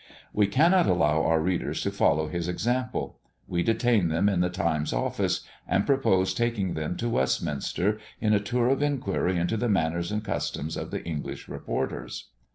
We cannot allow our readers to follow his example. We detain them in the Times' office, and propose taking them to Westminster, on a tour of enquiry into the manners and customs of the English reporters.